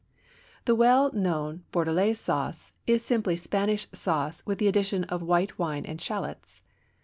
The well known Bordelaise sauce is simply Spanish sauce with the addition of white wine and shallots.